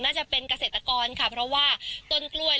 น่าจะเป็นเกษตรกรค่ะเพราะว่าต้นกล้วย